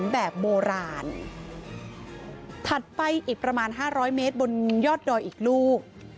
แบบโบราณถัดไปอีกประมาณห้าร้อยเมตรบนยอดดอยอีกลูก